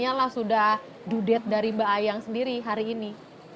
jadi ini memang sudah ada yang melakukan proses sesar dari mbak ayang sendiri hari ini